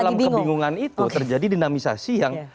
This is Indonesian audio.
dalam kebingungan itu terjadi dinamisasi yang